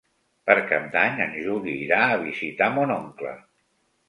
Per Cap d'Any en Juli irà a visitar mon oncle.